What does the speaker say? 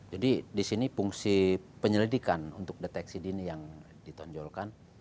jadi disini fungsi penyelidikan untuk deteksi dini yang ditonjolkan